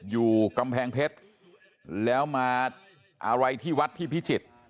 อยู่กำแพงเพชรแล้วมาอะไรที่วัดพี่พิจิตร